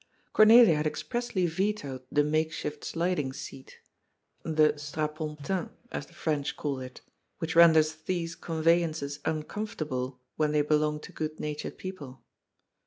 Cornelia had expressly vetoed the make shift sliding seat — the "strapontin," as the French call it — which renders these conveyances uncomfortable when they belong to good natured people.